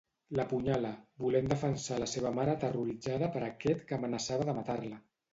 L'apunyala, volent defensar la seva mare terroritzada per aquest que amenaçava de matar-la.